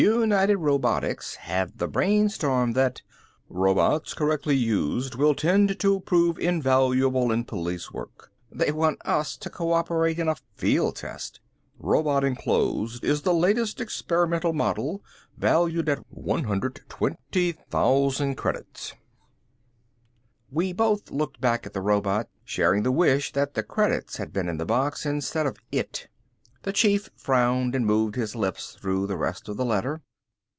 United Robotics have the brainstorm that ... robots, correctly used will tend to prove invaluable in police work ... they want us to co operate in a field test ... robot enclosed is the latest experimental model; valued at 120,000 credits." We both looked back at the robot, sharing the wish that the credits had been in the box instead of it. The Chief frowned and moved his lips through the rest of the letter.